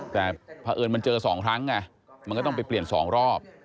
แต่เพราะเอิญมันเจอ๒ครั้งไงมันก็ต้องไปเปลี่ยน๒รอบ